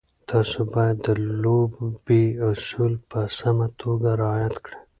تاسو باید د لوبې اصول په سمه توګه رعایت کړئ.